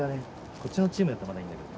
こっちのチームだったらまだいいんだけど。